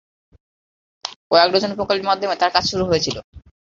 কয়েক ডজন প্রকল্পের মাধ্যমে তার কাজ শুরু হয়েছিল।